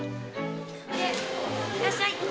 いらっしゃい。